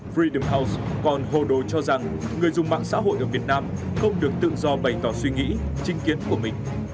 free the house còn hồ đồ cho rằng người dùng mạng xã hội ở việt nam không được tự do bày tỏ suy nghĩ trinh kiến của mình